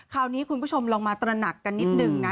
คุณผู้ชมลองมาตระหนักกันนิดหนึ่งนะ